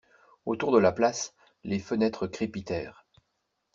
Autour de la place, les fenêtres crépitèrent.